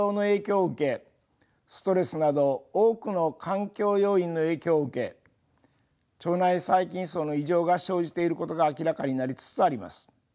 ストレスなど多くの環境要因の影響を受け腸内細菌そうの異常が生じていることが明らかになりつつあります。